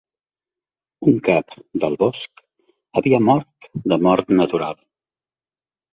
Un cap del bosc havia mort de mort natural.